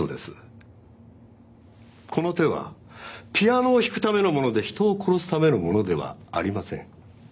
この手はピアノを弾くためのもので人を殺すためのものではありません。